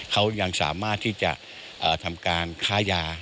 เขายังสามารถที่จะทำการค้ายา